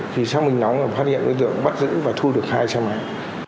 khi sáng mình nóng phát hiện đối tượng bắt giữ và thu được hai xe máy